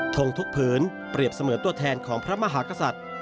ทงทุกผืนเปรียบเสมือนตัวแทนของพระมหากษัตริย์